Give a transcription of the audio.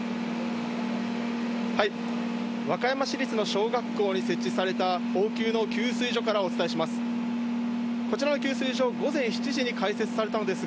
和歌山市立の小学校に設置された応急の給水所からお伝えします。